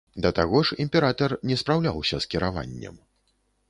Да таго ж, імператар не спраўляўся з кіраваннем.